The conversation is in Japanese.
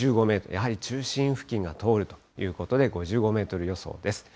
やはり中心付近が通るということで、５５メートル予想です。